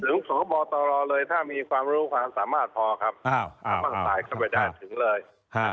ถึงพบตลเลยถ้ามีความรู้ความสามารถพอครับอ้าวอ้าวอ้าวสายเข้าไปได้ถึงเลยครับ